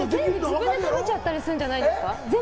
全部自分で食べちゃったりするんじゃないですか。